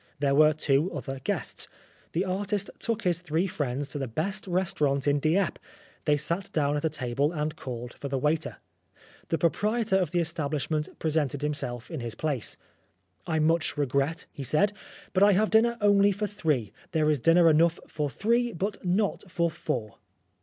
There were two other guests. The artist took his three friends to the best restaurant in Dieppe. They sat down at a table and called for the waiter. The proprietor of the establishment pre sented himself in his place. " I much regret," he said, " but I have dinner only for three. There is dinner enough for three, but not for four."